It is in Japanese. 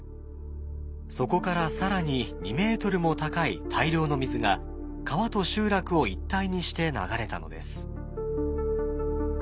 そこから更に２ｍも高い大量の水が川と集落を一体にして流れたのです。